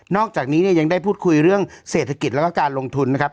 อกจากนี้เนี่ยยังได้พูดคุยเรื่องเศรษฐกิจแล้วก็การลงทุนนะครับ